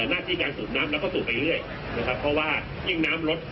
หน้าที่การสูบน้ำแล้วก็สูบไปเรื่อยนะครับเพราะว่ายิ่งน้ำลด